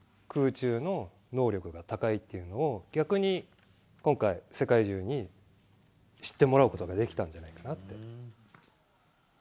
空中の能力が高いっていうのを、逆に今回、世界中に知ってもらうことができたんじゃないかなって。